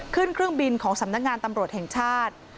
เครื่องบินของสำนักงานตำรวจแห่งชาติ